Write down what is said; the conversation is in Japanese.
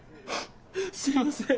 すいません